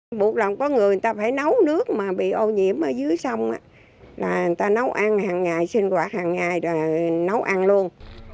một lần có người người ta phải nấu nước mà bị ô nhiễm ở dưới sông là người ta nấu ăn hàng ngày sinh hoạt hàng ngày rồi nấu ăn luôn